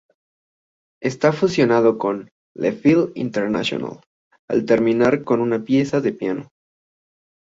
Está fusionado con ""Le Feel Internationale"" al terminar con una pieza de piano.